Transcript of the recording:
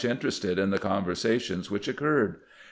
interested in the con versations wMch occurred.